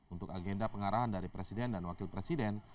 untuk agenda pengarahan dari presiden dan wakil presiden